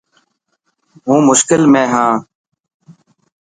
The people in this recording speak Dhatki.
هون مشڪل ۾ هان.